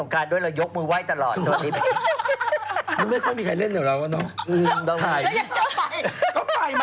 ก็เป็นไปได้เพราะมันเป็นวันครอบครัว